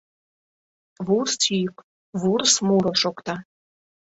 Вурс йӱк, вурс муро шокта...